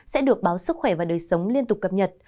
sẽ được báo sức khỏe và đời sống liên tục cập nhật